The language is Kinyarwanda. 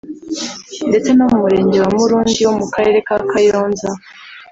ndetse no mu murenge wa Murundi wo mu Karere ka Kayonza